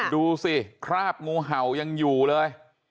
ดูสิคราบงูเห่ายังอยู่เลย